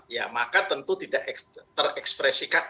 ya maka tentu tidak terekspresikan